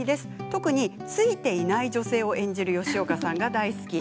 特についていない女性を演じる吉岡さんが大好き。